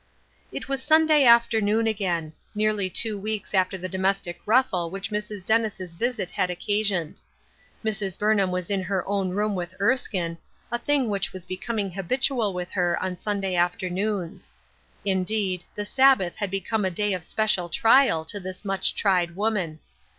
It was Sunday afternoon again ; nearly two weeks after the domestic ruffle which Mrs. Dennis's visit had occasioned. Mrs. Burnham was in her own room with Erskine — a thing which was be coming habitual with her on Sunday afternoons. Indeed, the Sabbath had become a day of special trial to this much tried woman.